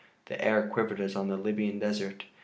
The air quivered as on the Libyan Desert.